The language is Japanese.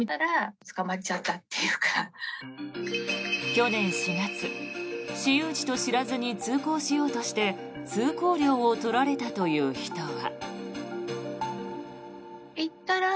去年４月、私有地と知らずに通行しようとして通行料を取られたという人は。